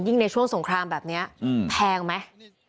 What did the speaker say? ในช่วงสงครามแบบนี้แพงไหม